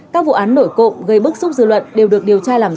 các vụ án nổi cộng gây bức xúc dư luận đều được điều tra làm rõ